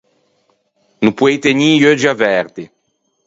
No poei tegnî i euggi averti.